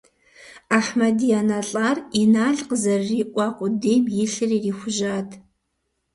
Ахьмэд и анэ лӀар Инал къызэрыриӀуа къудейм и лъыр ирихужьат.